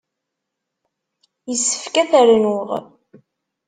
Yessefk ad t-rnuɣ.